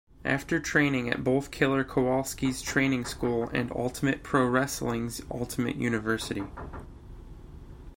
After training at both Killer Kowalski's training school and Ultimate Pro Wrestling's Ultimate University.